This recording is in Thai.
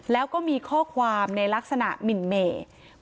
แล้วก็มีข้อความในลักษณะหมินเมย์